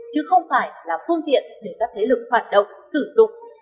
chứ không phải là phương tiện để các thế lực phản động sử dụng